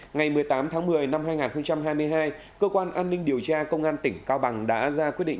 ngày một mươi tám tháng một mươi năm hai nghìn hai mươi hai cơ quan an ninh điều tra công an tỉnh cao bằng đã ra quyết định